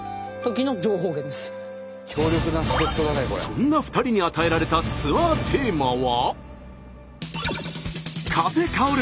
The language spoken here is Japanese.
そんな２人に与えられたツアーテーマは。